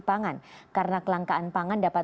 pangan karena kelangkaan pangan dapat